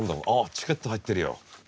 チケット入ってるよ。